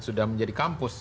sudah menjadi kampus